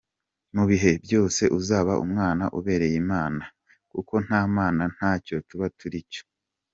Mu bihe byose uzabe umwana ubereye Imana, kuko nta Mana ntacyo tuba turi cyo.